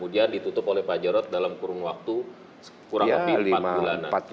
dan ditutup oleh pak jorod dalam kurun waktu kurang lebih empat bulanan